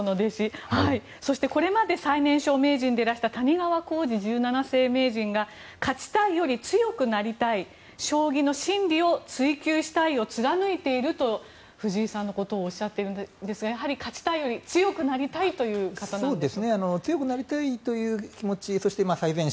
そしてこれまで最年少名人でいらした谷川浩司十七世名人が勝ちたいより強くなりたい将棋の真理を追求したいを貫いていると、藤井さんのことをおっしゃっているんですがやはり勝ちたいより強くなりたいという方なんでしょうか。